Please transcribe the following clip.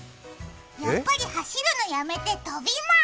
やっぱり走るのやめて、飛びます！